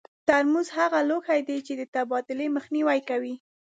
ترموز هغه لوښي دي چې د تبادلې مخنیوی کوي.